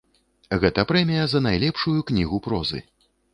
Гэта прэмія за найлепшую кнігу прозы.